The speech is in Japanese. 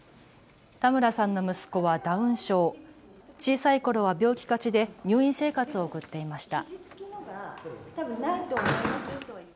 田村さんの息子はダウン症、小さいころは病気がちで入院生活を送っていました。